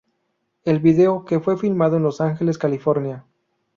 El vídeo, que fue filmado en Los Ángeles California.